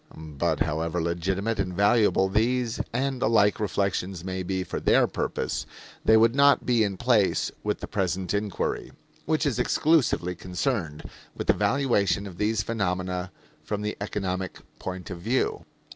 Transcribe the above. But, however legitimate and valuable these and the like reflections may be for their purpose, they would not be in place in the present inquiry, which is exclusively concerned with the valuation of these phenomena from the economic point of view.